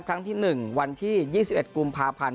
ครั้งที่๑วันที่๒๑กุมภาพันธ์